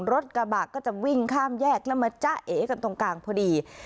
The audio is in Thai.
รถกระบะก็จะวิ่งข้ามแยกแล้วมาจ้าเอกันตรงกลางพอดี